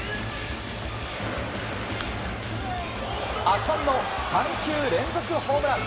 圧巻の３球連続ホームラン。